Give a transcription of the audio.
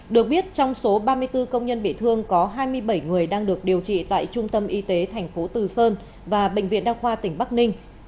được biết trong số ba mươi bốn công nhân bị thương có hai mươi bảy người đang được điều trị tại trung tâm y tế tp từ sơn và bệnh viện đa khoa tỉnh bắc ninh